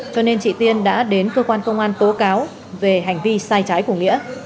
cho nên chị tiên đã đến cơ quan công an tố cáo về hành vi sai trái của nghĩa